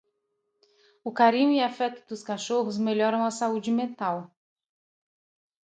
O carinho e afeto dos cachorros melhoram a saúde mental.